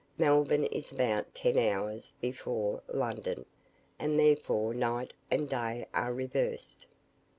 Melbourne is about ten hours before London, and therefore night, and day are reversed.